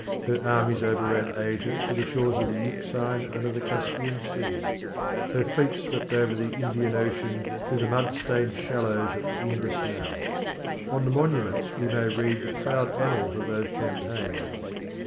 Her armies overran Asia to the shores of the Euxine and of the Caspian Sea. Her fleets swept over the Indian Ocean to the mud stained shallows at the Indus mouth. On the monuments we may read the proud annals of those campaigns.